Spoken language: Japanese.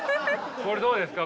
これどうですか。